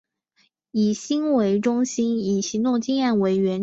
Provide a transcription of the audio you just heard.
以心为中心以行动经验为原驱力。